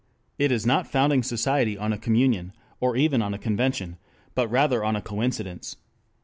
It is not founding society on a communion, or even on a convention, but rather on a coincidence.